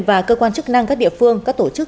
và cơ quan chức năng các địa phương các tổ chức